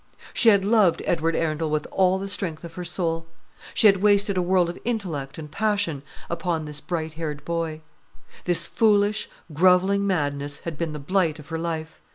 She had loved Edward Arundel with all the strength of her soul; she had wasted a world of intellect and passion upon this bright haired boy. This foolish, grovelling madness had been the blight of her life.